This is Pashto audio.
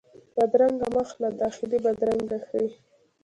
بدرنګه مخ له داخلي بدرنګي ښيي